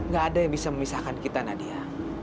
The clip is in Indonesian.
gak ada yang bisa memisahkan kita nadia